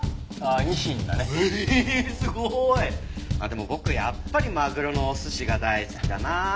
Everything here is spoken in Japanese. でも僕やっぱりマグロのお寿司が大好きだな。